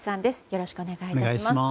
よろしくお願いします。